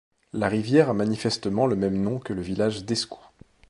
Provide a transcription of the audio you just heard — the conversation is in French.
La rivière a manifestement le même nom que le village d'Escou.